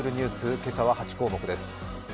今朝は８項目です。